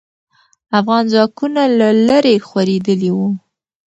افغان ځواکونه له لرې خورېدلې وو.